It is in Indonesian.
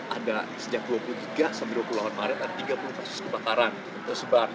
ada sejak dua puluh tiga sampai dua puluh delapan maret ada tiga puluh kasus kebakaran tersebar